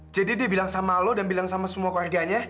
jadi dia bilang sama lo dan bilang sama semua keluarganya